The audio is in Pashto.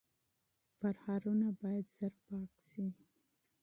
زخمونه باید زر پاک شي.